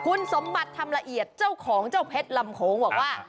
คุณสมบัติทำละเอียดเจ้าของเจ้าเพชรลำโขงบอกว่า